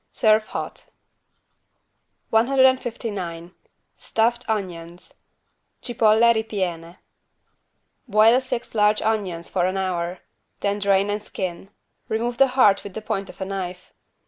Serve hot. 159 STUFFED ONIONS (Cipolle ripiene) Boil six large onions for an hour. Then drain and skin. Remove the heart with the point of a knife.